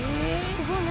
すごい。何？